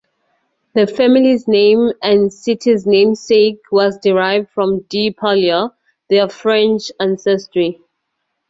The family's name, and City's namesake, was derived from DeParlier, their French ancestry.